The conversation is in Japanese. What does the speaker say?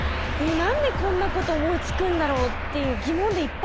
何でこんなこと思いつくんだろうっていう疑問でいっぱいですね。